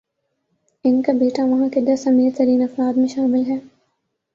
ان کا بیٹا وہاں کے دس امیرترین افراد میں شامل ہے۔